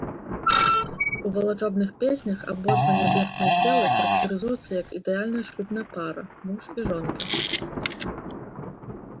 У валачобных песнях абодва нябесныя целы характарызуюцца як ідэальная шлюбная пара, муж і жонка.